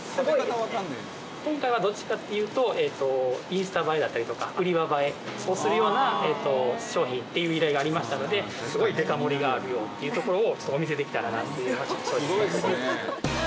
インスタ映えだったりとか売り場映えをするような商品っていう依頼がありましたのですごいデカ盛りがあるよっていうところをお見せできたらなっていう。